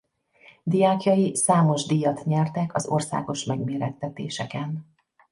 Diákjai számos díjat nyertek az országos megmérettetéseken.